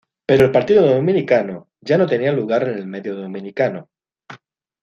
Pero el Partido Dominicano ya no tenía lugar en el medio dominicano.